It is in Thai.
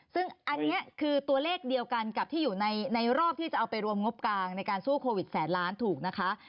ซึ่งอันนี้คือตัวเลขเดียวกันกับที่อยู่ในรอบที่จะเอาไปรวมงบกลางในการสู้โควิดแสนล้านถูกนะคะ